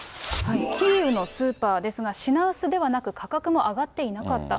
キーウのスーパーですが、品薄ではなく、価格も上がっていなかった。